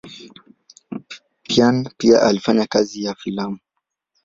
Payn pia alifanya kazi ya filamu.